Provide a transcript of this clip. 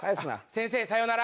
先生さようなら。